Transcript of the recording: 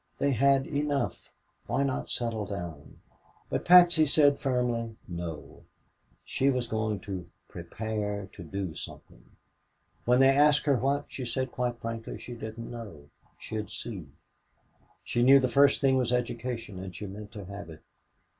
They had "enough." Why not settle down? But Patsy said firmly, No. She was going to "prepare to do something." When they asked her what, she said quite frankly she didn't know. She'd see. She knew the first thing was education and she meant to have it.